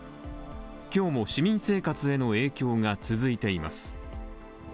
今日も市民生活への影響が続いています。